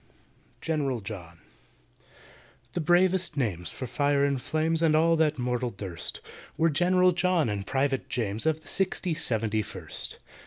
GENERAL JOHN THE bravest names for fire and flames And all that mortal durst, Were GENERAL JOHN and PRIVATE JAMES, Of the Sixty seventy first.